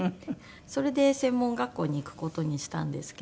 それで専門学校に行く事にしたんですけど。